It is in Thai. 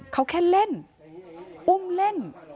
เขาแค่เล่นอุ้มเล่น